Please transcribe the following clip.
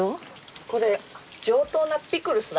これ上等なピクルスだ。